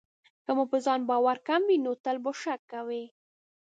که مو په ځان باور کم وي، نو تل به شک کوئ.